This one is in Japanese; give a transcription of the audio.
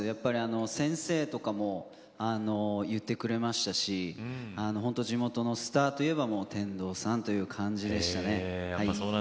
先生とかも言ってくれますし本当に地元のスターといえば天童さんという感じでしたね。